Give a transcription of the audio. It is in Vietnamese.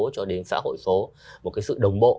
cho đến xã hội số một cái sự đồng bộ